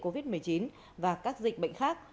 covid một mươi chín và các dịch bệnh khác